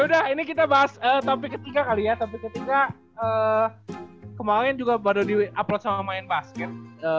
yaudah ini kita bahas topik ketiga kali ya topik ketiga kemarin juga baru diupload sama main basket